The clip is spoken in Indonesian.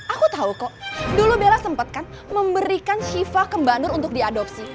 aku tahu kok dulu bella sempatkan memberikan siva ke mbak nur untuk diadopsi